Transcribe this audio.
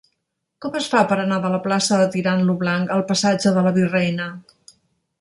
Com es fa per anar de la plaça de Tirant lo Blanc al passatge de la Virreina?